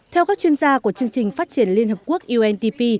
theo các chuyên gia của chương trình phát triển liên hợp quốc undp